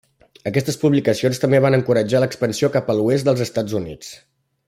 Aquestes publicacions també van encoratjar l'expansió cap a l'oest dels Estats Units.